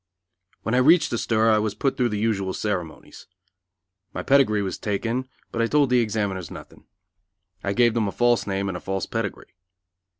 When I reached the stir I was put through the usual ceremonies. My pedigree was taken, but I told the examiners nothing. I gave them a false name and a false pedigree.